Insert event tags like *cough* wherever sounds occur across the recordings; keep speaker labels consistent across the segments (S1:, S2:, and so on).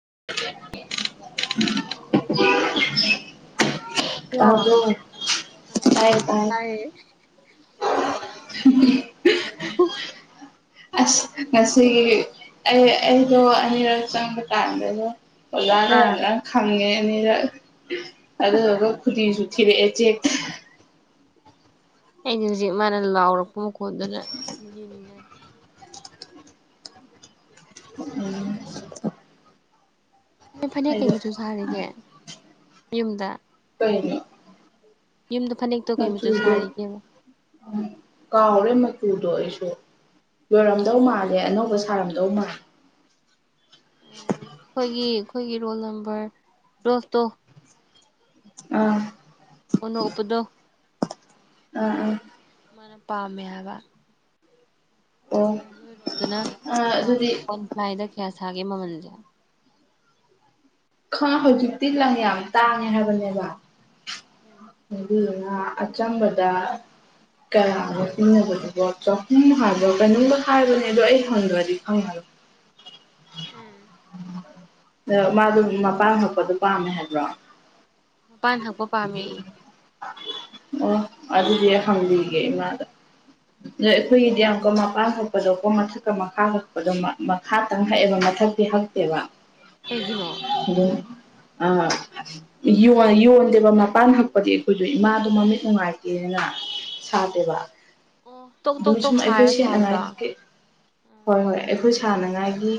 S1: *inaudible*
S2: ꯇꯥꯕ꯭ꯔꯣ ꯇꯥꯕ꯭ꯔꯣ
S1: ꯇꯥꯏ ꯇꯥꯏ
S2: ꯇꯥꯏꯌꯦ
S1: *inaudible*
S2: *unintelligible*
S1: ꯑꯁ ꯉꯁꯤ ꯑꯩ ꯑꯩꯗꯣ ꯑꯅꯤꯔꯛ ꯆꯪꯕ ꯀꯥꯟꯗꯅꯦ ꯑꯣꯖꯥꯅ ꯌꯥꯝ
S2: ꯑꯥ
S1: ꯂꯥꯏ ꯈꯪꯉꯦ ꯑꯅꯤꯔꯛ ꯑꯗꯨꯗꯨꯒ ꯈꯨꯗꯤꯁꯨ ꯊꯤꯔꯛꯑꯦ ꯆꯦꯛꯇ
S2: ꯑꯩꯗꯤ ꯍꯧꯖꯤꯛ ꯃꯥꯅ ꯂꯥꯎꯔꯛꯄ ꯃꯈꯣꯟꯗꯨꯅ ꯅꯤꯟꯒꯔꯦ
S1: ꯎꯝ
S2: ꯅꯣꯏ ꯐꯅꯦꯛ ꯀꯩ ꯃꯆꯨ ꯁꯥꯔꯤꯒꯦ ꯌꯨꯝꯗ
S1: ꯀꯩꯅꯣ
S2: ꯌꯨꯝꯗ ꯐꯅꯦꯛꯇꯣ ꯀꯩ ꯃꯆꯨ
S1: ꯃꯆꯨꯗꯣ
S2: ꯁꯥꯔꯤꯒꯦꯕ
S1: ꯀꯥꯎꯔꯦ ꯃ ꯆꯨꯗꯣ ꯑꯩꯁꯨ ꯂꯣꯏꯔꯝꯗꯧ ꯃꯥꯜꯂꯦ ꯑꯅꯧꯕ ꯁꯥꯔꯝꯗꯧ ꯃꯥꯜꯂꯦ *inaudible*
S2: ꯎꯝ ꯑꯩꯈꯣꯏꯒꯤ ꯑꯩꯈꯣꯏꯒꯤ ꯔꯣꯜ ꯅꯝꯕꯔ ꯇꯨꯋꯦꯜꯐ ꯇꯣ
S1: ꯑꯥ
S2: ꯑꯣꯅꯣꯛ ꯎꯞꯄꯗꯣ
S1: ꯎꯝ ꯎꯝ
S2: ꯃꯥꯅ ꯄꯥꯝꯃꯦ ꯍꯥꯏꯕ
S1: ꯑꯣ
S2: ꯑꯗꯒꯤ ꯅꯣꯏꯔꯣꯝꯗꯅ
S1: ꯑꯥ
S2: ꯀꯌꯥ
S1: ꯑꯗꯨꯗꯤ
S2: ꯋꯥꯟꯄꯂꯥꯏꯗ ꯀꯌꯥ ꯁꯥꯒꯦ ꯃꯃꯜꯁꯦ
S1: ꯈ ꯍꯧꯖꯤꯛꯇꯤ ꯂꯪ ꯌꯥꯝ ꯇꯥꯡꯉꯦ ꯍꯥꯏꯕꯅꯦꯕ ꯑꯗꯨ ꯑ ꯑꯆꯝꯕꯗ ꯀꯌꯥ ꯑꯣꯏꯗꯣꯏꯅꯣꯕ ꯑꯗꯨꯕꯨ ꯆꯥꯍꯨꯝ ꯍꯥꯏꯕꯔ ꯀꯩꯅꯣꯝꯒ ꯍꯥꯏꯕꯅꯦ ꯑꯗꯣ ꯑꯩ ꯍꯪꯗ꯭ꯔꯗꯤ ꯈꯪꯉꯔꯣꯏ
S2: ꯎꯝ
S1: ꯑ ꯃꯥꯗꯨ ꯃꯄꯥꯟ ꯍꯛꯄꯗꯣ ꯄꯥꯝꯃꯦ ꯍꯥꯏꯕ꯭ꯔꯣ
S2: ꯃꯄꯥꯟ ꯍꯛꯄ ꯄꯥꯝꯃꯦꯌꯦ
S1: ꯑꯣ ꯑꯗꯨꯗꯤ ꯑꯩ ꯍꯪꯕꯤꯒꯦ ꯏꯃꯥꯗ ꯑꯗꯣ ꯑꯩꯈꯣꯏꯒꯤꯗꯤ ꯑꯃꯨꯛꯀ ꯃꯄꯥꯟ ꯍꯛꯄꯗꯀꯣ ꯃꯊꯛꯀ ꯃꯈꯥ ꯍꯛꯄꯗꯣ ꯃꯈꯥ ꯇꯪ ꯍꯛꯑꯦꯕ ꯃꯊꯛꯇꯤ ꯍꯛꯇꯦꯕ
S2: ꯀꯩꯒꯤꯅꯣ
S1: ꯑꯗꯨꯝ ꯑ ꯌꯣꯟ ꯌꯣꯟꯗꯦꯕ ꯃꯄꯥꯟ ꯍꯛꯄꯗꯤ ꯑꯩꯈꯣꯏꯁꯨ ꯏꯃꯥꯗꯣ ꯃꯃꯤꯠ ꯅꯨꯡꯉꯥꯏꯇꯦꯅ
S2: ꯑꯣ
S1: ꯁꯥꯗꯦꯕ
S2: ꯑꯣ ꯇꯣꯛ ꯇꯣꯛ
S1: ꯑꯗꯨꯝ
S2: ꯇꯣꯛ
S1: ꯁꯨꯝ ꯑꯩꯈꯣꯏ
S2: ꯍꯥꯏꯔ
S1: ꯁꯦꯠꯅꯉꯥꯏ
S2: ꯁꯥꯕꯗꯣ
S1: ꯈꯛꯀꯤ ꯍꯣꯏ ꯍꯣꯏ ꯑꯩꯈꯣꯏ ꯑꯩꯈꯣꯏ ꯁꯥꯟꯅꯉꯥꯏꯒꯤ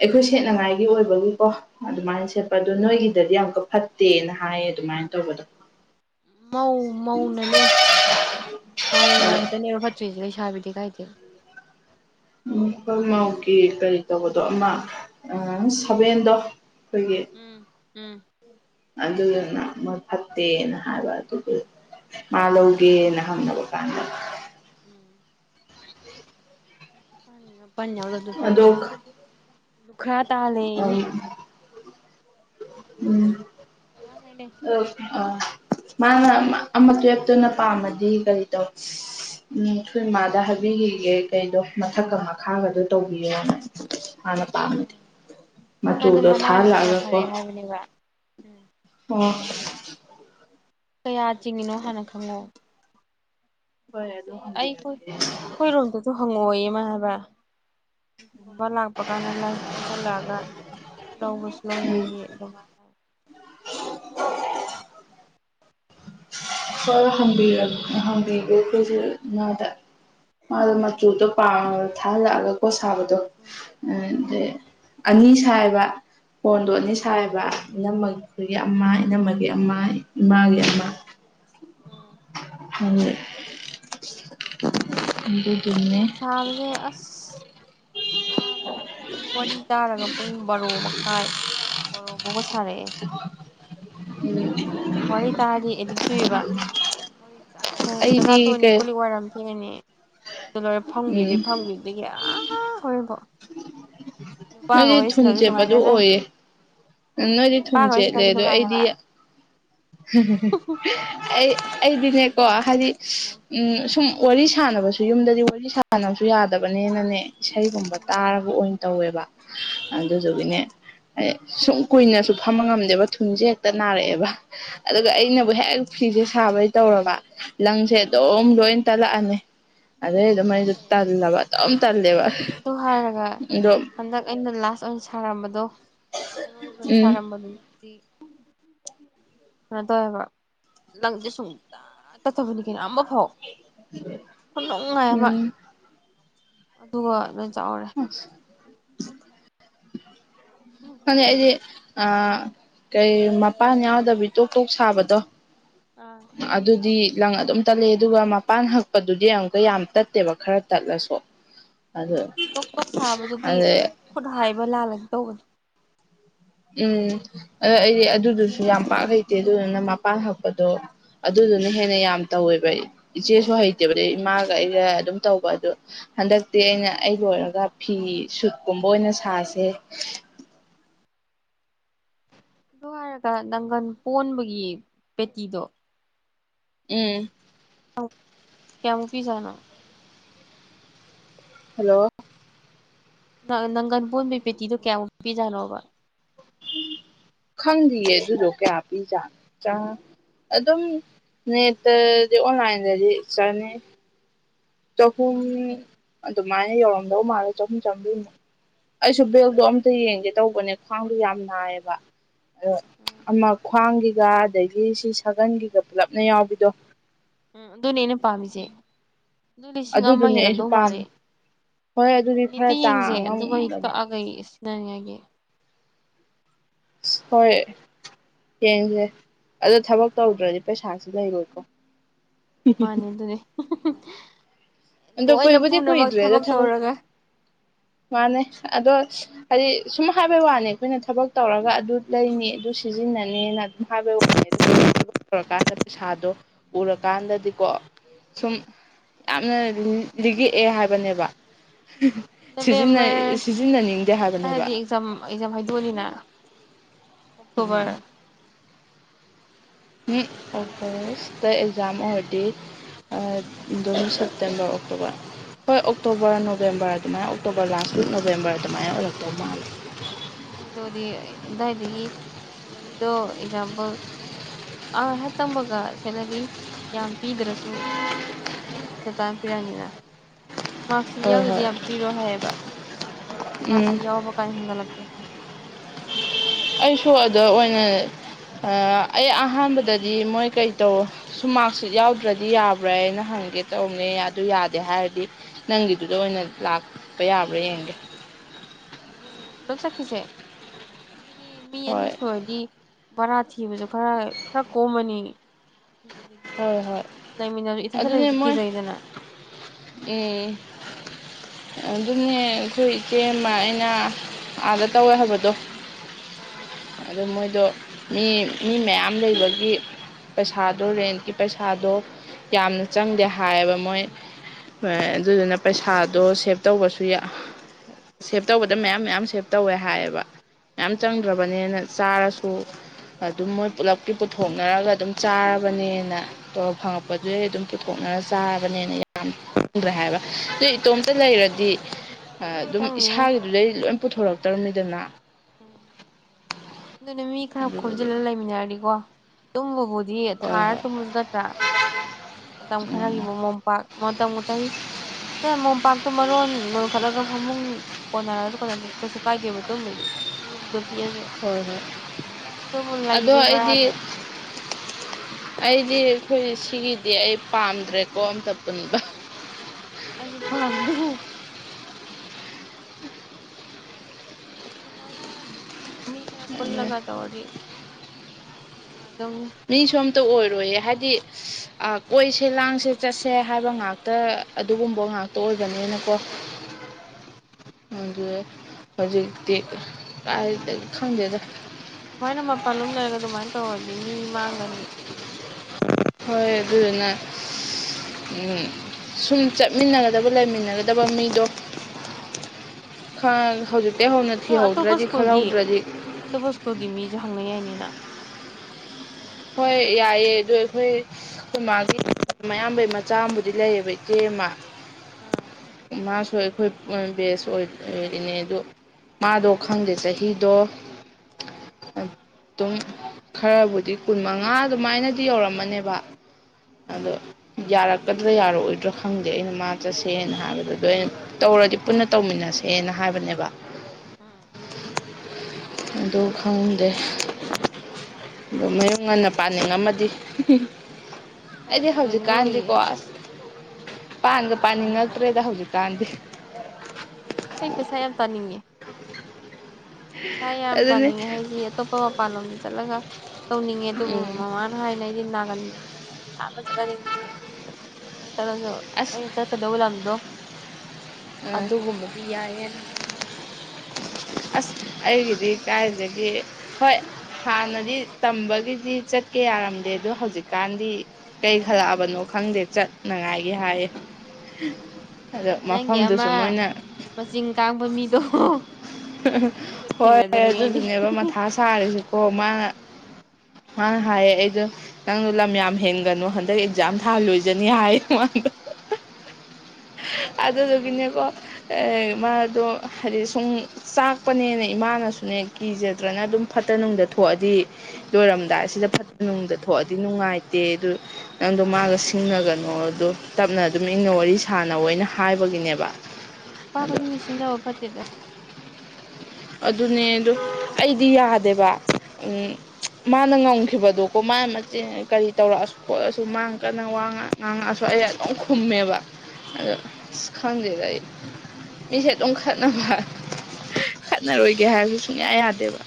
S1: ꯑꯩꯈꯣꯏ ꯁꯦꯠꯅꯉꯥꯏꯒꯤ ꯑꯣꯏꯕꯒꯤꯀꯣ ꯑꯗꯨꯃꯥꯏꯅ ꯁꯦꯠꯄ ꯑꯗꯣ ꯅꯣꯏꯒꯤ ꯗꯗꯤ ꯑꯃꯨꯛꯀ ꯐꯠꯇꯦꯅ ꯍꯥꯏꯌꯦ ꯑꯗꯨꯃꯥꯏꯅ ꯇꯧꯕꯗꯣ
S2: ꯃꯧ ꯃꯧꯅꯅꯦ ꯃꯧꯅ ꯈꯛꯇꯅꯦꯕ ꯐꯠꯇ꯭ꯔꯤꯁꯦ ꯂꯩꯁꯕꯤ ꯂꯩꯁꯥꯕꯤꯗꯤ ꯀꯥꯏꯗꯦ
S1: ꯎꯝ ꯑꯩꯈꯣꯏ ꯃꯧꯒꯤ ꯀꯔꯤ ꯇꯧꯕꯗꯣ ꯑꯃ ꯎ ꯁꯚꯦꯟꯗꯣ
S2: ꯎꯝ ꯎꯝ
S1: ꯑꯗꯨꯅ ꯐꯠꯇꯦꯅ ꯍꯥꯏꯕ ꯑꯗꯨꯕꯨ ꯃꯥ ꯂꯧꯒꯦꯅ ꯍꯪꯅꯕ ꯀꯥꯟꯗ
S2: ꯎꯝ ꯃꯄꯥꯟ ꯌꯥꯎꯗꯕꯗꯨ
S1: ꯑꯗꯣ
S2: ꯐꯠꯇꯦ ꯈ꯭ꯔ ꯇꯥꯍꯜꯂꯦꯌꯦ
S1: ꯎꯝ
S2: ꯑꯗꯨꯃꯥꯏ ꯍꯥꯏꯅꯩ
S1: *unintelligible* ꯃꯥꯅ ꯑꯃ ꯇꯨꯌꯦꯞꯇꯨꯅ ꯄꯥꯝꯃꯗꯤ ꯀꯔꯤ ꯇꯧ ꯎꯝ ꯑꯩꯈꯣꯏꯃꯥꯗ ꯍꯥꯏꯕꯤꯈꯤꯒꯦ ꯀꯩꯗꯣ ꯃꯊꯛꯀ ꯃꯈꯥꯒꯗꯣ ꯇꯧꯕꯤꯌꯣꯅ ꯍꯥꯟꯅ ꯄꯥꯝꯃꯥꯗꯤ
S2: ꯎꯝ ꯃꯥꯗꯣ
S1: ꯃꯆꯨꯗꯣ
S2: ꯃꯃꯥꯅ ꯄꯩꯁꯥ
S1: ꯊꯥꯍꯜꯂꯛꯑꯒꯀꯣ
S2: ꯊꯥꯔꯛꯑꯦ *inaudible*
S1: ꯑꯣ
S2: ꯀꯌꯥ ꯆꯤꯡꯉꯤꯅꯣ ꯍꯥꯟꯅ ꯈꯪꯉꯛꯑꯣ
S1: ꯍꯣꯏ ꯑꯗꯨ
S2: ꯑꯩ ꯑꯩꯏ
S1: ꯍꯪꯕꯤꯔꯛꯀꯦ
S2: ꯑꯩꯈꯣꯏꯔꯣꯝꯗꯁꯨ ꯍꯪ ꯉꯣꯌꯦ ꯃꯅꯥ ꯍꯥꯏꯕꯥ ꯃꯥ ꯂꯥꯛꯄ ꯀꯥꯟꯗ ꯂꯩꯍꯜꯂꯛꯑꯒ ꯂꯧꯕꯁꯨ
S1: ꯎꯝ
S2: ꯂꯧꯅꯒꯤ ꯑꯗꯨꯃꯥꯏꯅ
S1: ꯍꯣꯏ ꯍꯪꯕꯤꯔꯛ ꯍꯪꯕꯤꯒꯦ ꯑꯩꯈꯣꯏꯁꯨ ꯏꯃꯥꯗ ꯃꯥꯗꯣ ꯃꯆꯨꯗꯨ ꯄꯥꯝ ꯊꯥꯍꯜꯂꯛꯑꯒꯀꯣ ꯁꯥꯕꯗꯣ ꯑꯅꯤ ꯁꯥꯏꯌꯦꯕ ꯀꯣꯟꯗꯣ ꯑꯅꯤ ꯁꯥꯏꯌꯦꯕ ꯏꯅꯝꯃ ꯑꯩꯈꯣꯏꯒꯤ ꯑꯃ ꯏꯅꯝꯃꯥꯒꯤ ꯑꯃ ꯏꯃꯥꯒꯤ ꯑꯃ
S2: ꯎꯝ *inaudible*
S1: *unintelligible* ꯑꯗꯨ ꯗꯨꯅꯦ
S2: ꯋꯥꯕ ꯑꯩꯗꯤ ꯋꯥꯔꯤ ꯇꯥꯔꯒ ꯄꯨꯡ ꯕꯥꯔꯣ ꯃꯈꯥꯏ ꯕꯥꯔꯣ ꯐꯥꯎꯕ ꯁꯥꯔꯛꯑꯦ ꯋꯥꯔꯤ ꯇꯥꯔꯗꯤ ꯑꯦꯗꯤꯛ ꯆꯨꯏꯌꯦꯕ ꯆꯥꯛꯆ
S1: ꯑꯩꯗꯤ
S2: ꯇꯣꯛꯑꯅꯤ
S1: ꯀꯩ
S2: ꯀꯣꯜꯂꯤꯛ ꯋꯥꯏꯔꯝ ꯐꯦꯡꯂꯅꯤ ꯑꯗꯨ ꯂꯣꯏꯔ
S1: ꯎꯝ
S2: ꯐꯝꯈꯤꯕꯗꯩꯩ ꯐꯝꯈꯤꯕꯗꯒꯤ ꯑ ꯍꯣꯔꯦꯟ ꯐꯥꯎ
S1: ꯅꯣꯏꯗꯤ ꯊꯨꯟ ꯆꯦꯠꯄꯗꯨ
S2: ꯅꯨꯡꯉꯥꯏꯒ꯭ꯔꯖꯥꯠꯅꯤ
S1: ꯑꯣꯏꯌꯦ ꯅꯣꯏꯗꯤ ꯊꯨꯟ
S2: ꯅꯨꯄꯥꯒ ꯋꯥꯔꯤ
S1: ꯆꯦꯠꯂꯦ
S2: ꯁꯥꯟꯅꯕꯁꯦ
S1: ꯑꯗꯣ
S2: ꯅꯨꯡꯉꯥꯏ
S1: ꯑꯩꯗꯤ
S2: ꯍꯥꯏꯕ
S1: *unintelligible* ꯑꯩ ꯑꯩꯗꯤꯅꯦꯀꯣ ꯍꯥꯏꯗꯤ ꯎꯝ ꯁꯨꯝ ꯋꯥꯔꯤ ꯁꯥꯟꯅꯕꯁꯨ ꯌꯨꯝꯗꯗꯤ ꯋꯥꯔꯤ ꯁꯥꯟꯅꯕꯁꯨ ꯌꯥꯗꯕꯅꯤꯅꯅꯦ ꯏꯁꯩꯒꯨꯝꯕ
S2: ꯎꯝ
S1: ꯇꯥꯔꯕ ꯑꯣꯏꯅ ꯇꯧꯋꯦꯕ ꯑꯗꯨꯗꯨꯒꯤꯅꯦ ꯑꯩ ꯁꯨꯝ ꯀꯨꯏꯅꯁꯨ ꯐꯝꯃ ꯉꯝꯗꯦꯕ ꯊꯨꯟꯁꯦ ꯍꯦꯛꯇ ꯅꯥꯔꯛꯑꯦꯕ ꯑꯗꯨꯒ
S2: ꯎꯝ
S1: ꯑꯩꯅꯕꯨ ꯍꯦꯛ ꯐꯤꯁꯦ ꯁꯥꯕꯩ ꯇꯧꯔꯕ ꯂꯪꯁꯦ
S2: ꯎꯝ
S1: ꯑꯗꯨꯝ ꯂꯣꯏ ꯇꯜꯂꯛ ꯑꯅꯤ ꯑꯗꯨꯗꯩ ꯑꯩꯁꯨ
S2: ꯑꯩꯌꯥ
S1: ꯇꯜꯂꯕ ꯑꯗꯨꯝ ꯇꯜꯂꯦꯕ
S2: ꯑꯗꯨ ꯍꯥꯏꯔꯒ
S1: ꯑꯗꯣ
S2: ꯍꯟꯗꯛ ꯑꯩꯅ ꯂꯥꯁ ꯑꯣꯏꯅ ꯁꯥꯔꯝꯕꯗꯣ ꯑꯔꯣꯏꯕ
S1: ꯎꯝ
S2: ꯁꯥꯔꯝꯕꯗꯨꯕꯨꯗꯤ
S1: *inaudible*
S2: ꯀꯩꯅꯣ ꯇꯧꯋꯦꯕ ꯂꯪꯁꯦ ꯁꯨꯡꯇꯠ ꯇꯠꯇꯕꯅꯤ ꯀꯩꯅꯣ ꯑꯃ ꯐꯥꯎ ꯈꯨꯅꯨꯡꯉꯥꯏ ꯑꯃꯥ
S1: ꯎꯝ
S2: ꯑꯗꯨꯒ ꯂꯣꯏ ꯆꯥꯛꯍꯧꯔꯦ
S1: ꯑꯁ ꯈꯪꯗꯦ ꯑꯩꯗꯤ ꯑꯥ ꯀꯩ ꯃꯄꯥꯟ ꯌꯥꯎꯗꯕꯤ ꯇꯣꯛ ꯇꯣꯛ ꯁꯥꯕꯗꯣ
S2: ꯑꯥ
S1: ꯑꯗꯨꯗꯤ ꯂꯪ ꯑꯗꯨꯝ ꯇꯠꯂꯦ ꯑꯗꯨꯒ ꯃꯄꯥꯟ ꯍꯛꯄꯗꯨꯗꯤ ꯑꯃꯨꯛꯀ ꯌꯥꯝ ꯇꯠꯇꯦꯕ ꯈꯔ ꯇꯠꯂꯁꯨ ꯑꯗꯨ
S2: ꯇꯣꯛ ꯇꯣꯛ ꯁꯥꯕꯗꯨꯗꯤ
S1: ꯑꯗꯩ
S2: ꯈꯨꯠ ꯍꯥꯏꯕ ꯂꯥꯜꯂꯁꯨ ꯇꯧꯕꯅꯤ
S1: ꯎꯝ ꯑꯗ ꯑꯩꯗꯤ ꯑꯗꯨꯗꯨꯁꯨ ꯌꯥꯝ ꯄꯥꯛ ꯍꯩꯇꯦ ꯑꯗꯨꯗꯨꯅ ꯃꯄꯥꯟ ꯍꯛꯄꯗꯣ ꯑꯗꯨ ꯑꯗꯨꯅ ꯍꯦꯟꯅ ꯌꯥꯝ ꯇꯧꯋꯦꯕ ꯑꯩꯗꯤ ꯏꯆꯦꯁꯨ
S2: ꯎꯝ
S1: ꯍꯩꯇꯦꯕ ꯑꯗꯩꯩ ꯏꯃꯥ ꯒ ꯑꯩꯒ ꯑꯗꯨꯝ ꯇꯧꯕ ꯑꯗꯣ ꯍꯟꯗꯛꯇꯤ ꯑꯩꯅ ꯑꯩ ꯂꯣꯏꯔꯒ ꯐꯤ ꯁꯨꯠꯀꯨꯝꯕ ꯑꯣꯏꯅ ꯁꯥ ꯁꯦ
S2: ꯑꯗꯨ ꯍꯥꯏꯔꯒ ꯅꯪꯒꯟ ꯄꯣꯟꯕꯒꯤ ꯄꯦꯇꯤꯗꯣ
S1: ꯎꯝ
S2: ꯀꯌꯥꯃꯨꯛ ꯄꯤꯖꯥꯠꯅꯣ
S1: ꯍꯜꯂꯣ
S2: ꯅꯪꯒꯟ ꯄꯣꯟꯕꯒꯤ ꯄꯦꯇꯤꯗꯨꯣ ꯀꯌꯥꯃꯨꯛ ꯄꯤꯖꯥꯠꯅꯣꯕ
S1: ꯈꯪꯗꯦꯌꯦ ꯑꯗꯨꯗꯣ ꯀꯌꯥ ꯄꯤꯖꯥꯠꯅꯣ ꯆꯥ ꯑꯗꯨꯝ ꯅꯦꯠꯇꯗꯤ ꯑꯣꯟꯂꯥꯏꯟꯗꯗꯤ ꯆꯥꯅꯤ ꯆꯍꯨꯝ ꯑꯗꯨꯃꯥꯏꯅ ꯌꯧꯔꯝꯗꯧ ꯃꯥꯜꯂꯦ ꯆꯍꯨꯝ ꯆꯥꯝꯕ꯭ꯔꯤꯃꯨꯛ ꯑꯩꯁꯨ ꯕꯦꯜꯗꯣ ꯑꯝꯇ ꯌꯦꯡꯒꯦ ꯇꯧꯕꯅꯦ ꯈ꯭ꯋꯥꯡꯗꯣ ꯌꯥꯝ ꯅꯥꯏꯌꯦꯕ ꯑ
S2: ꯎꯝ
S1: ꯑꯃ ꯈ꯭ꯋꯥꯡꯒꯤꯒ ꯑꯗꯒꯤ ꯁꯤ ꯁꯥꯒꯟꯒꯤꯒ ꯄꯨꯂꯞꯅ ꯌꯥꯎꯕꯤꯗꯣ
S2: ꯎꯝ ꯑꯗꯨꯅꯦ ꯑꯩꯅ ꯄꯥꯝꯃꯤꯁꯦ ꯑꯗꯨ ꯂꯤꯁꯤꯡ ꯑꯃ
S1: ꯑꯗꯨꯗꯨꯅꯦ ꯑꯩꯁꯨ
S2: ꯍꯦꯜꯂꯝꯗꯧ ꯃꯥꯜꯂꯦ
S1: ꯄꯥꯝꯃꯤ ꯍꯣꯏ ꯑꯗꯨꯗꯤ
S2: ꯅꯦꯠꯇ
S1: ꯈꯔ
S2: ꯌꯦꯡꯁꯦ ꯑꯗꯨꯒ
S1: ꯇꯥꯡꯉꯝꯒꯅꯤ
S2: ꯀꯛꯑꯒ ꯁꯤꯖꯤꯟꯅꯅꯤꯡꯉꯥꯏꯒꯤ
S1: ꯍꯣꯏ ꯌꯦꯡꯁꯦ ꯑꯗꯨ ꯊꯕꯛ ꯇꯧꯗ꯭ꯔꯗꯤ ꯄꯩꯁꯥꯁꯨ ꯂꯩꯔꯣꯏꯀꯣ
S2: ꯃꯥꯅꯤ ꯑꯗꯨꯅꯦ
S1: ꯑꯗꯣ
S2: ꯂꯣꯏꯅ
S1: ꯀꯨꯣꯏꯕꯨꯗꯤ
S2: ꯄꯨꯝꯅꯃꯛ
S1: ꯀꯨꯏꯗ꯭ꯔꯦꯗ ꯊꯕꯛ
S2: ꯇꯧꯔꯒ
S1: ꯃꯥꯅꯦ ꯑꯗꯣ ꯍꯥꯏꯗꯤ ꯁꯨꯝ ꯍꯥꯏꯕꯩ ꯋꯥꯅꯤ ꯑꯩꯈꯣꯏꯅ ꯊꯕꯛ ꯇꯧꯔꯒ ꯑꯗꯨ ꯂꯩꯅꯤ ꯑꯗꯨ ꯁꯤꯖꯤꯟꯅꯅꯤꯅ *unintelligible* ꯇꯧꯔꯀꯥꯟꯗ
S2: ꯎꯝ
S1: ꯄꯩꯁꯥꯗꯣ ꯎꯔꯀꯥꯟꯗꯗꯤꯀꯣ ꯁꯨꯝ
S2: ꯎꯝ
S1: ꯌꯥꯝꯅ ꯂꯤꯛꯑꯛꯑꯦ ꯍꯥꯏꯕꯅꯦꯕ ꯁꯤꯖꯤꯟꯅ
S2: ꯅꯕꯦꯝꯕꯔ
S1: ꯁꯤꯖꯤꯟꯅꯅꯤꯡꯗꯦ ꯍꯥꯏꯕꯅꯦꯕ
S2: ꯑꯗꯥꯏꯗꯤ ꯑꯦꯛꯖꯥꯝ ꯑꯦꯛꯖꯥꯝ ꯍꯥꯏꯗꯣꯛꯑꯅꯤꯅ ꯑꯣꯛꯇꯣꯕꯔ
S1: ꯎꯝ ꯍꯨꯝ ꯑꯣꯇꯣꯕꯔꯁꯤꯗꯥ ꯑꯦꯛꯖꯥꯝ ꯑꯣꯏꯔꯗꯤ ꯑꯥ ꯑꯗꯨꯝ ꯁꯦꯞꯇꯦꯝꯕꯔ ꯑꯣꯛꯇꯣꯕꯔ ꯍꯣꯏ ꯑꯣꯛꯇꯣꯕꯔ ꯅꯣꯕꯦꯝꯕꯔ ꯑꯗꯨꯃꯥꯏꯅ ꯑꯣꯛꯇꯣꯕꯔ ꯂꯥꯁ ꯋꯤꯛ ꯅꯣꯕꯦꯝꯕꯔ ꯑꯗꯨꯃꯥꯏꯅ ꯑꯣꯏꯔꯛꯇꯧ ꯃꯥꯜꯂꯦ
S2: ꯑꯗꯨꯏꯗꯣꯗꯤ ꯑꯗꯨꯋꯥꯏꯗꯒꯤ ꯁꯦꯂꯔꯤꯗꯣ ꯑꯦꯛꯖꯥꯝꯄꯜ ꯑꯥ ꯍꯦꯛ ꯆꯪꯕꯒ ꯁꯦꯂꯔꯤ ꯌꯥꯝ ꯄꯤꯗ꯭ꯔꯁꯨ ꯈꯔ ꯂꯩꯔꯗꯤ ꯆꯞ ꯆꯥꯅ ꯄꯤꯔꯛꯑꯅꯤꯅ ꯃꯥꯔꯛꯁꯤꯠ
S1: ꯍꯣꯏ
S2: ꯌꯥꯎꯗꯗꯤ
S1: ꯍꯣꯏ
S2: ꯌꯥꯝ ꯄꯤꯔꯣꯏ ꯍꯥꯏꯌꯦꯕ
S1: ꯎꯝ
S2: ꯃꯥꯔꯛꯁꯤꯠ ꯌꯥꯎꯕ ꯀꯥꯟꯗ ꯍꯦꯟꯒꯠꯂꯛ ꯍꯥꯏꯌꯦ
S1: ꯑꯩꯁꯨ ꯑꯗꯨꯗ ꯑꯣꯏꯅꯥ *inaudible* ꯑꯩ ꯑꯍꯥꯟꯕꯗꯗꯤ ꯃꯣꯏ ꯀꯩ ꯇꯧ ꯁꯨꯝ ꯃꯥꯔꯛꯁꯤꯠ ꯌꯥꯎꯗ꯭ꯔꯗꯤ ꯌꯥꯕ꯭ꯔ ꯍꯥꯏꯅ ꯍꯪꯉ ꯌꯦꯡꯒꯦ ꯇꯧꯋꯦ ꯑꯗꯨ ꯌꯥꯗꯦ ꯍꯥꯏꯔꯗꯤ ꯅꯪꯒꯤꯗꯨꯗ ꯑꯣꯏꯅ ꯂꯥꯛꯄ ꯌꯥꯕ꯭ꯔꯥ ꯌꯦꯡꯒꯦ *inaudible*
S2: ꯑꯗꯨꯅꯦ ꯄꯨ ꯂꯣꯏ ꯆꯠꯈꯤꯁꯦ ꯑꯗꯨꯗꯤ ꯃꯤ ꯑꯅꯤ
S1: ꯍꯣꯏ
S2: ꯁꯨꯔꯗꯤ ꯕꯔꯥ ꯊꯤꯕꯁꯨ ꯈꯔ ꯈꯔ ꯀꯣꯝꯃꯅꯤ ꯑꯗꯨꯗꯒꯤ
S1: ꯍꯣꯏ ꯍꯣꯏ
S2: ꯂꯩꯃꯤꯟꯅꯁꯨ ꯏꯊꯟꯇ
S1: ꯑꯗꯨꯅꯦ
S2: ꯂꯩꯕꯁꯨ
S1: ꯃꯣꯏ
S2: ꯀꯤꯖꯩꯗꯅ
S1: *inaudible* ꯑꯗꯨꯅꯦ ꯑꯩꯈꯣꯏ ꯏꯆꯦ ꯑꯃ ꯑꯩꯅ ꯑꯥꯗ ꯇꯧꯋꯦ ꯍꯥꯏꯕꯗꯣ
S2: ꯑꯥ
S1: ꯑꯗꯨ ꯃꯣꯏꯗꯣ ꯃꯤ ꯃꯤ ꯃꯌꯥꯝ ꯂꯩꯕꯒꯤ ꯄꯩꯁꯥꯗꯣ ꯔꯦꯟ ꯄꯩꯁꯥꯗꯣ ꯌꯥꯝꯅ ꯆꯪꯗꯦ ꯍꯥꯏꯌꯦꯕ ꯃꯣꯏ ꯑꯗꯨꯗꯨꯅ ꯄꯩꯁꯥꯗꯣ ꯁꯦꯚ ꯇꯧꯕꯁꯨ ꯌꯥꯝ ꯁꯦꯞ ꯇꯧꯕꯗ ꯃꯌꯥꯝ ꯃꯌꯥꯝ ꯁꯦꯞ ꯇꯧꯋꯦ ꯍꯥꯏꯌꯦꯕ ꯃꯌꯥꯝ
S2: ꯑꯥ
S1: ꯆꯪꯗ꯭ꯔꯕꯅꯦꯅ ꯆꯥꯔꯁꯨ ꯑꯗꯨꯝ ꯃꯣꯏ ꯄꯨꯂꯞꯀꯤ ꯄꯨꯊꯣꯛꯅꯔꯒ ꯑꯗꯨꯝ ꯆꯥꯔꯕꯅꯦꯅ ꯐꯪꯉꯛꯄꯗꯨ ꯑꯗꯨꯝ ꯄꯨꯤꯊꯣꯛꯅꯒ ꯆꯥꯕꯅꯦꯅ ꯌꯥꯝ ꯈꯪꯗ꯭ꯔꯦ ꯍꯥꯏꯕ ꯑꯗꯨ ꯏꯇꯣꯝ ꯂꯩꯔꯗꯤ ꯑꯗꯨꯝ
S2: ꯆꯪꯅꯤꯍꯦ
S1: ꯏꯁꯥꯒꯤꯗꯨꯗꯩ ꯂꯣꯏ ꯄꯨꯊꯣꯔꯛꯇꯧꯅꯤꯗꯅ
S2: ꯎꯝ ꯑꯗꯨꯅꯦ ꯃꯤ ꯈꯔ
S1: ꯑꯗꯨꯗꯨꯒꯤ
S2: ꯈꯣꯝꯖꯤꯜꯂ ꯂꯩꯃꯤꯟꯅꯔꯗꯤꯀꯣ ꯇꯨꯝꯕꯕꯨ ꯗꯤ
S1: ꯍꯣꯏ
S2: ꯊꯥꯔ
S1: ꯍꯣꯏ
S2: ꯇꯨꯝꯃꯁꯨ ꯅꯠꯇ꯭ꯔꯥ ꯃꯇꯝ ꯈꯔꯒꯤ
S1: ꯎꯝ
S2: ꯃꯣꯝꯄꯥꯛ ꯃꯇꯝ ꯆꯍꯤ ꯑꯗ ꯃꯣꯝꯄꯥꯛꯇꯨ ꯃꯔꯣꯟ ꯂꯣꯟꯈꯠꯂꯒ ꯐꯃꯨꯡ ꯀꯣꯟꯅꯔ ꯀꯣꯟꯅꯗ꯭ꯔꯁꯨ ꯀꯩꯁꯨ ꯀꯥꯏꯗꯦꯕ ꯇꯨꯝꯕꯩꯗꯤ ꯄꯤꯛꯑꯁꯨ
S1: ꯍꯣꯏ ꯍꯣꯏ
S2: ꯇꯧꯗꯕꯨ
S1: ꯑꯗꯣ
S2: ꯂꯩꯕꯒꯤ
S1: ꯑꯩꯗꯤ
S2: ꯕꯥꯔꯥꯁꯦ
S1: ꯑꯩꯗꯤ ꯑꯩꯈꯣꯏ ꯁꯤꯒꯤꯗꯤ ꯑꯩ ꯄꯥꯝꯗ꯭ꯔꯦꯀꯣ ꯑꯝꯇ ꯄꯨꯟꯕ
S2: ꯑꯩꯁꯨ ꯄꯥꯝꯗꯦ
S1: *inaudible*
S2: ꯑꯗꯨꯃꯥꯏꯅ ꯃꯤ ꯈꯔ
S1: ꯑꯗꯨꯅ
S2: ꯄꯨꯜꯂꯒ ꯇꯧꯔꯗꯤ ꯅꯨꯡꯉꯥꯏ
S1: ꯃꯤꯁꯨ ꯑꯝꯇ ꯑꯣꯏꯔꯣꯏꯌꯦ ꯍꯥꯏ ꯍꯥꯏꯗꯤ ꯀꯣꯏꯁꯦ ꯂꯥꯡꯁꯦ ꯆꯠꯁꯦ ꯍꯥꯏꯕ ꯉꯥꯛꯇ ꯑꯗꯨꯒꯨꯝꯕ ꯉꯥꯛꯇ ꯑꯣꯏꯕꯅꯤꯅꯀꯣ
S2: ꯎꯝ
S1: ꯑꯗꯨ ꯍꯧꯖꯤꯛꯇꯤ ꯀꯥꯏ ꯈꯪꯗꯦꯗ
S2: ꯑꯗꯨꯃꯥꯏꯅ ꯃꯄꯥꯟ ꯂꯣꯝ ꯂꯩꯔꯒ ꯑꯗꯨꯃꯥꯏꯅ ꯇꯧꯔꯗꯤ ꯃꯤ ꯃꯥꯡꯒꯅꯤ
S1: ꯍꯣꯏ ꯑꯗꯨꯗꯨꯅ ꯁꯨꯝ ꯆꯠꯃꯤꯟꯅꯒꯗꯕ ꯂꯩꯃꯤꯟꯅꯒꯗꯕ ꯃꯤꯗꯣ
S2: ꯎꯝ
S1: ꯍꯧꯖꯤꯛꯇꯤ ꯍꯧꯅ
S2: ꯑꯗꯣ ꯑꯇꯣꯞꯄ
S1: ꯊꯤꯍꯧꯗ꯭ꯔꯗꯤ ꯈꯜꯍꯧꯗ꯭ꯔꯗꯤ
S2: ꯐꯪꯅ ꯌꯥꯏꯅꯤꯅ
S1: ꯍꯣꯏ ꯌꯥꯏꯑꯦ ꯑꯗꯣ ꯑꯩꯈꯣꯏ ꯈꯣꯏꯃꯥꯒꯤ ꯃꯌꯥꯝꯕꯩ ꯃꯆꯥ ꯑꯃꯕꯨꯗꯤ ꯂꯩꯌꯦꯕ ꯏꯆꯦ ꯑꯃ
S2: ꯑꯥ
S1: ꯃꯥꯁꯨ ꯑꯩꯈꯣꯏ ꯑꯣꯢꯔꯝ ꯕꯦꯁ ꯑꯣꯏ ꯑꯣꯏꯔꯤꯅꯦ ꯑꯗꯨ ꯃꯥꯗꯣ ꯈꯪꯗꯦ ꯆꯍꯤꯗꯣ ꯑꯗꯨꯝ ꯈꯔꯕꯨꯗꯤ ꯀꯨꯟꯃꯉꯥ ꯑꯗꯨꯃꯥꯏꯅꯗꯤ ꯌꯧꯔꯝꯃꯅꯦꯕ ꯑꯗꯣ
S2: ꯑꯥ
S1: ꯌꯥꯔꯛꯀꯗ꯭ꯔꯥ ꯌꯥꯔꯑꯣꯏꯗ꯭ꯔꯣ ꯈꯪꯗꯦ ꯑꯩꯅ ꯃꯥ ꯆꯠꯁꯦꯅ ꯍꯥꯏꯕꯗꯣ ꯑꯗꯣ ꯑꯩꯅ ꯇꯧꯔꯗꯤ ꯄꯨꯟꯅ ꯇꯧꯃꯤꯟꯅꯁꯦꯅ ꯍꯥꯏꯕꯅꯦꯕ
S2: ꯎꯝ
S1: ꯑꯗꯨ ꯈꯪꯗꯦ ꯗꯨ ꯃꯌꯨꯝ ꯉꯟꯅ
S2: ꯑꯥ
S1: ꯄꯥꯅꯤꯡꯉꯝꯃꯗꯤ
S2: ꯍꯣꯏ
S1: ꯑꯩꯗꯤ
S2: ꯑꯗꯨ ꯅꯣꯏ
S1: ꯍꯧꯖꯤꯛꯀꯥꯟꯗꯤꯀꯣ ꯑꯁ
S2: ꯎꯝ
S1: ꯄꯥꯟꯅꯤꯡꯉꯛꯇ꯭ꯔꯦꯗ ꯍꯧꯖꯤꯛꯀꯥꯟꯗꯤ
S2: ꯑꯩ ꯄꯩꯁꯥ ꯌꯥꯝ ꯇꯥꯟꯅꯤꯡꯉꯦ ꯄꯩꯁꯥ ꯌꯥꯝ
S1: ꯑꯗꯨꯅꯤ
S2: ꯇꯥꯟꯅꯤꯡꯉꯦ ꯍꯥꯏꯗꯤ ꯑꯇꯣꯞꯄ ꯃꯄꯥꯟꯂꯣꯝꯗ ꯆꯠꯂꯒ ꯇꯧꯅꯤꯡꯉꯦ ꯑꯗꯨꯕꯨ
S1: ꯎꯝ
S2: ꯃꯃꯥꯅ ꯍꯥꯏꯅ ꯑꯩꯗꯤ ꯅꯥꯒꯟꯕꯅꯤꯅ ꯌꯥꯝ ꯂꯥꯞꯅ ꯆꯠꯍꯟꯅꯤꯡꯗꯦ ꯆꯠꯂꯁꯨ
S1: ꯑꯁ
S2: ꯑꯩꯅ ꯆꯠꯀꯗꯧꯕ ꯂꯝꯗꯣ ꯑꯗꯨꯒꯨꯝꯕꯗꯤ ꯌꯥꯏꯌꯦꯅ ꯍꯥꯏ
S1: ꯑꯁ ꯑꯩꯒꯤꯗꯤ ꯀꯥꯏꯗꯒꯤ ꯍꯣꯏ ꯍꯥꯟꯅꯗꯤ ꯇꯝꯕꯒꯤꯗꯤ ꯆꯠꯀꯦ ꯌꯥꯔꯝ ꯗꯦꯗꯣ ꯍꯧꯖꯤꯛꯀꯥꯟꯗꯤ ꯀꯩ ꯈꯜꯂꯛꯑꯕꯅꯣ ꯈꯪꯗꯦ ꯆꯠꯅꯉꯥꯏꯒꯤ ꯍꯥꯏꯌꯦ *unintelligible*
S2: ꯎꯝ ꯅꯪꯒꯤ ꯑꯃ
S1: ꯃꯐꯝꯗꯨꯁꯨ ꯃꯣꯏꯅ
S2: ꯃꯆꯤꯟ ꯀꯥꯡꯕ ꯃꯤꯗꯣ ꯑꯗꯨꯒ
S1: ꯍꯣꯏ
S2: ꯊꯦꯡꯅꯗꯅꯤꯡꯉꯥꯏꯅꯤ
S1: ꯑꯗꯨꯗꯨꯅꯦꯕ ꯃꯊꯥ ꯁꯥꯔꯤꯁꯤꯀꯣ ꯃꯥꯅ ꯃꯥꯅ ꯍꯥꯏꯌꯦ ꯑꯩꯗꯣ ꯅꯪꯗꯣ ꯂꯝ ꯌꯥꯝ ꯍꯦꯟꯒꯅꯨ ꯍꯟꯗꯛ ꯑꯦꯛꯖꯥꯝ ꯊꯥꯍꯜꯂꯣꯏꯖꯅꯤ ꯍꯥꯏꯌꯦ ꯃꯥꯗꯣ ꯑꯗꯨꯗꯨꯒꯤꯅꯦꯀꯣ
S2: ꯎꯝ
S1: ꯑꯦ ꯃꯥꯗꯣ ꯍꯥꯏꯗꯤ ꯁꯨꯝ ꯆꯥꯛꯄꯅꯦꯅꯦ ꯏꯃꯥꯅꯁꯨꯅꯦ ꯀꯤꯖꯗ꯭ꯔꯅ ꯑꯗꯨꯝ ꯐꯠꯇ ꯅꯨꯡꯗ ꯊꯣꯛꯑꯗꯤ ꯂꯣꯏꯔꯝꯗꯥꯏꯁꯤꯗ ꯐꯠꯇ ꯅꯨꯡꯗ ꯊꯣꯛꯑꯗꯤ ꯅꯨꯡꯉꯥꯏꯇꯦ ꯑꯗꯨ ꯅꯪꯗꯣ ꯃꯥꯒ ꯁꯤꯡꯅꯒꯅꯣ ꯑꯗꯨ ꯇꯞꯅ ꯑꯗꯨꯝ ꯏꯪꯅ ꯋꯥꯔꯤ ꯁꯥꯟꯅꯧꯋꯣꯢꯅ ꯍꯥꯏꯕꯒꯤꯅꯦꯕ
S2: ꯅꯨꯄꯥꯥ
S1: ꯑꯗꯣ
S2: ꯈꯨꯗꯤꯡꯒꯤ ꯁꯤꯡꯅꯕ ꯐꯠꯇꯦꯗ
S1: ꯑꯗꯨꯅꯦ ꯑꯗꯨ ꯑꯩꯗꯤ ꯌꯥꯗꯦꯕ ꯎꯝ ꯃꯥꯅ ꯉꯝ ꯈꯤꯕꯗꯣꯀꯣ ꯃꯥꯅ ꯃꯆꯤꯟ ꯀꯔꯤ ꯇꯧꯔꯛꯑꯁꯨ ꯈꯣꯠꯂꯁꯨ ꯃꯥꯅ ꯀꯟꯅ ꯋꯥꯉꯥꯡ ꯉꯥꯡꯉꯛꯑꯁꯨ ꯑꯩ ꯑꯗꯨꯝ ꯈꯨꯝ ꯃꯦꯕ ꯑꯗꯨ ꯑꯁ ꯈꯪꯗꯦꯗ ꯑꯩ ꯃꯤꯁꯦ ꯑꯗꯨꯝ ꯈꯠꯅꯕ ꯈꯠꯅꯔꯣꯏꯒꯦ ꯍꯥꯏꯔꯁꯨ ꯁꯨꯡꯌꯥ ꯌꯥꯗꯦꯕ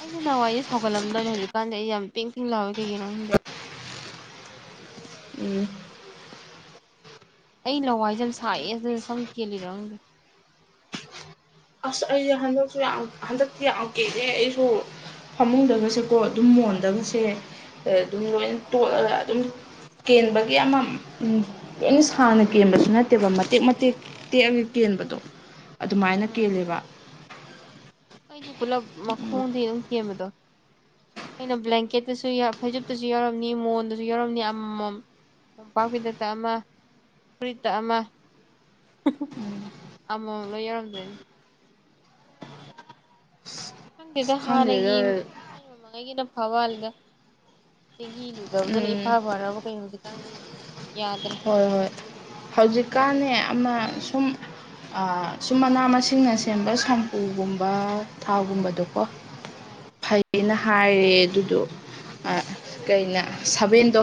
S2: ꯑꯩꯖꯦ ꯅꯍꯥꯟꯋꯥꯏꯖꯦ ꯁꯥꯎꯒꯜꯂꯝꯗꯝꯅꯦ ꯍꯧꯖꯤꯛꯀꯥꯟꯗꯤ ꯑꯩ ꯌꯥꯝ ꯄꯤꯡ ꯄꯤꯡ ꯂꯥꯎꯋꯦ ꯀꯩꯒꯤꯅꯣ ꯈꯪꯗꯦ
S1: ꯎꯝ
S2: ꯑꯩ ꯂꯋꯥꯏꯖꯦ ꯌꯥꯝ ꯁꯥꯏꯌꯦ ꯑꯗꯨꯅ ꯁꯝ ꯀꯦꯜꯂꯤꯔ ꯈꯪꯗꯦ
S1: ꯑꯁ ꯑꯩꯖꯦ ꯍꯟꯗꯛꯁꯨ ꯌꯥꯝ ꯍꯟꯗꯛꯇꯤ ꯌꯥꯝ ꯀꯦꯜꯂꯦ ꯑꯩꯁꯨ ꯐꯃꯨꯡꯗꯒꯁꯦꯀꯣ ꯑꯗꯨꯝ ꯃꯣ ꯃꯣꯟꯗꯒꯁꯦ ꯑꯗꯨꯝ ꯂꯣꯏꯅ ꯇꯣꯠꯂꯒ ꯑꯗꯨꯝ ꯀꯦꯟꯕꯒꯤ ꯑꯃ ꯎꯝ ꯂꯣꯢꯅ ꯁꯥꯡꯅ ꯀꯦꯟꯕꯁꯨ ꯅꯠꯇꯦꯕ ꯃꯇꯦꯛ ꯃꯇꯦꯛ ꯇꯦꯛꯑꯒ ꯀꯦꯟ ꯍꯦꯟꯕꯗꯣ ꯑꯗꯨꯃꯥꯏꯅ
S2: ꯎꯝ
S1: ꯀꯦꯜꯂꯦꯕ
S2: ꯑꯩꯗꯤ ꯄꯨꯂꯜꯞ ꯃꯈꯣꯡꯗꯩ ꯑꯗꯨꯝ ꯀꯦꯟꯕꯗꯣ ꯑꯩꯅ ꯕ꯭ꯂꯦꯡꯀꯦꯠꯇꯨꯁꯨ ꯌꯥꯎ ꯐꯩꯖꯨꯞꯇꯨꯁꯨ ꯌꯥꯎꯔꯝꯅꯤ ꯃꯣꯟꯗꯁꯨ ꯌꯥꯎꯔꯝꯅꯤ ꯑꯃꯃꯝ ꯃꯣꯝꯄꯥꯛꯐꯤꯗꯛꯇ ꯑꯃ ꯐꯨꯔꯤꯠꯇ ꯑꯃ ꯑꯃꯃꯝ ꯂꯣꯏ ꯌꯥꯎꯔꯝꯗꯣꯏꯅꯤ
S1: ꯑꯁ
S2: ꯈꯪꯗꯦꯗ
S1: ꯈꯪꯗꯦꯗ
S2: ꯍꯥꯟꯅꯒꯤ ꯊꯥꯢꯅ ꯃꯃꯥꯡꯉꯩꯒꯤꯅ ꯐ ꯃꯥꯜꯂꯤꯗ ꯆꯦꯡꯍꯤ ꯂꯨꯖꯕꯗꯨꯅ ꯏꯐ
S1: ꯎꯝ
S2: ꯐꯔꯕ ꯀꯩꯅꯣ ꯍꯨꯖꯤꯛꯀꯥꯟꯗꯒꯤ
S1: ꯍꯣꯏ ꯍꯣꯏ ꯍꯧꯖꯤꯛꯀꯥꯟꯅꯦ ꯑꯃ ꯁꯨꯝ ꯁꯨꯝ ꯃꯅꯥ ꯃꯁꯤꯡꯅ ꯁꯦꯝꯕ ꯁꯝꯄꯨꯒꯨꯝꯕ ꯊꯥꯎꯒꯨꯝꯕꯗꯣꯀꯣ ꯐꯩ ꯌꯦꯅ ꯍꯥꯏꯔꯦ ꯑꯗꯨꯗꯣ ꯑ ꯀꯩꯅ ꯁꯚꯦꯟꯗꯣ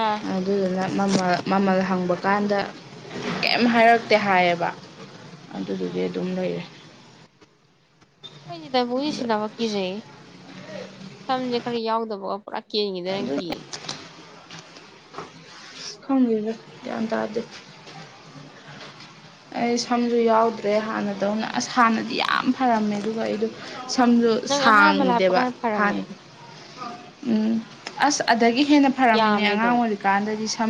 S2: ꯑꯥ
S1: ꯑꯗꯨꯗꯨꯅ ꯃꯃꯜ ꯃꯃꯜ ꯍꯪꯕ ꯀꯥꯟꯗ ꯀꯩꯝ ꯍꯥꯏꯔꯛꯇꯦ ꯍꯥꯏꯑꯕ ꯑꯗꯨꯗꯨꯒꯤ
S2: ꯎꯝ
S1: ꯑꯗꯨꯝ ꯂꯩꯔꯦ
S2: ꯑꯩꯗꯤ *unintelligible* ꯁꯤꯟꯅꯕ ꯀꯤꯖꯩꯌꯦ ꯁꯝꯖꯦ ꯈꯔ ꯌꯥꯎꯗꯕ ꯄꯨꯔꯥ ꯀꯦꯟꯒꯤꯗ꯭ꯔꯅ
S1: ꯑꯗꯨ
S2: ꯀꯤꯌꯦ
S1: ꯈꯪꯗꯦꯗ ꯒ꯭ꯌꯥꯟ ꯇꯥꯗꯦ ꯑꯩ ꯁꯝꯖꯨ ꯌꯥꯎꯗ꯭ꯔꯦ ꯍꯥꯟꯅꯗꯧꯅ ꯑꯁ ꯍꯥꯟꯅꯗꯤ ꯌꯥꯝ ꯐꯔꯝꯃꯦ ꯑꯗꯨꯒ ꯑꯩꯗꯣ ꯁꯝꯗꯣ
S2: ꯅꯪ ꯑꯍꯥꯟꯕ ꯂꯥꯛꯄ
S1: ꯁꯥꯡꯗꯦꯕ
S2: ꯀꯥꯟꯗ ꯐꯔꯝꯃꯦ
S1: ꯍꯥꯟꯅ ꯎꯝ ꯑꯁ ꯑꯗꯒꯤ ꯍꯦꯟꯅ ꯐꯔꯝꯃꯤꯅꯦ
S2: ꯌꯥꯝꯃꯦ
S1: ꯑꯉꯥꯡ
S2: ꯑꯗꯨꯝ
S1: ꯑꯣꯏꯔꯤꯀꯥꯟꯗꯗꯤ ꯁꯝ